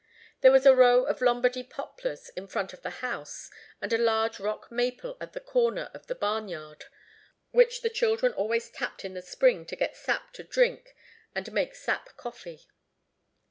There was a row of Lombardy poplars in front of the house, and a large rock maple at the corner of the barn yard, which the children always tapped in the spring to get sap to drink and make sap coffee.